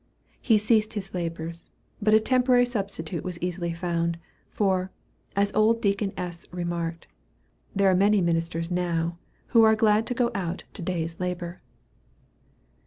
He ceased his labors, but a temporary substitute was easily found for, as old Deacon S. remarked, "There are many ministers now, who are glad to go out to day's labor."